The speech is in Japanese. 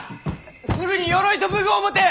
すぐに鎧と武具を持て！